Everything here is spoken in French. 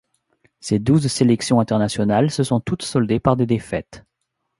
Ses douze sélections internationales se sont toutes soldées par des défaites.